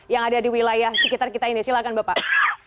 yang ada di wilayah sekitar kita ini silakan bapak